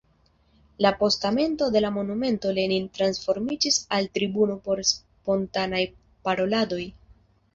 La postamento de la monumento Lenin transformiĝis al tribuno por spontanaj paroladoj.